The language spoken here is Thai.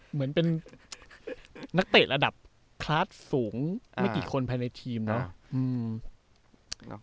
เหมือนเป็นนักเตะระดับคลาสสูงไม่กี่คนภายในทีมเนาะ